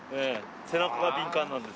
背中が敏感なんで。